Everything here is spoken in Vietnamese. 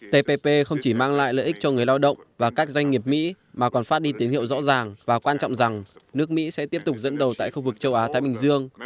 tpp không chỉ mang lại lợi ích cho người lao động và các doanh nghiệp mỹ mà còn phát đi tín hiệu rõ ràng và quan trọng rằng nước mỹ sẽ tiếp tục dẫn đầu tại khu vực châu á thái bình dương